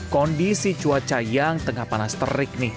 kondisi cuaca yang tengah panas terik nih